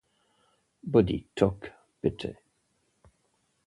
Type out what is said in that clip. Body Talk Pt.